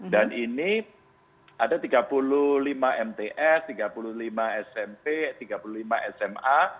dan ini ada tiga puluh lima mts tiga puluh lima smp tiga puluh lima sma